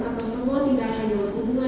atau semua tindakan yang berhubungan